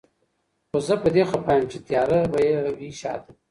خو زه په دې خفه يم چي تياره به يې وي شاته